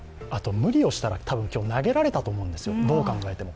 無理をしたら多分、今日投げられたと思うんですよ、どう考えても。